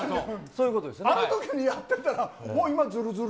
あのときにやってたら、ずるずる。